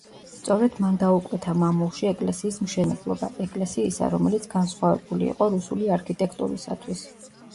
სწორედ მან დაუკვეთა მამულში ეკლესიის მშენებლობა, ეკლესიისა, რომელიც განსხვავებული იყო რუსული არქიტექტურისათვის.